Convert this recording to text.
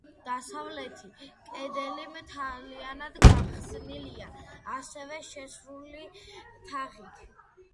დასავლეთი კედელი მთლიანად გახსნილია ასევე შეისრული თაღით.